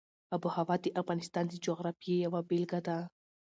آب وهوا د افغانستان د جغرافیې یوه بېلګه ده.